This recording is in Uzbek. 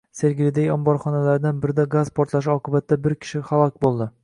Sergelidagi omborxonalardan birida gaz portlashi oqibatida bir kishi halok bo‘ldi